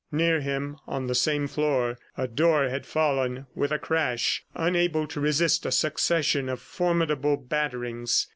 Near him, on the same floor, a door had fallen with a crash, unable to resist a succession of formidable batterings.